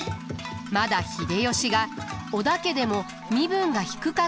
まだ秀吉が織田家でも身分が低かった頃だと考えられます。